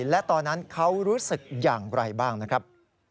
และตอนนั้นเขารู้สึกอย่างไรบ้างนะครับ